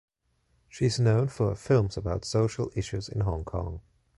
She is known for her films about social issues in Hong Kong.